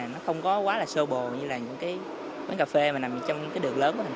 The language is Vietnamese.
nó không có quá là sô bồ như là những cái quán cà phê mà nằm trong cái đường lớn của thành